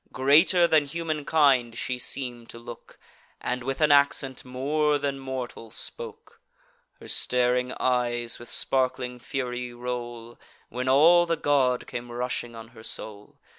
Greater than humankind she seem'd to look, And with an accent more than mortal spoke. Her staring eyes with sparkling fury roll; When all the god came rushing on her soul.